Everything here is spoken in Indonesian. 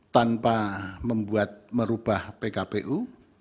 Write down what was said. tanpa membuat merubah pkpu